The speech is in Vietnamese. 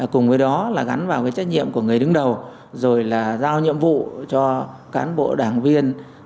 cùng với đó là gắn vào cái trách nhiệm của người đứng đầu rồi là giao nhiệm vụ cho cán bộ đảng viên